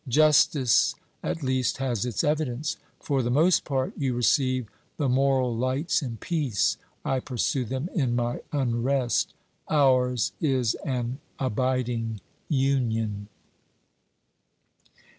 Justice at least has its evidence. For the most part you receive the moral lights in peace, I pursue them in my unrest ; ours is an abiding union.